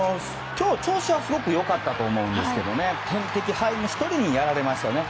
今日、調子はすごく良かったと思うんですが天敵ハイム１人にやられましたよね。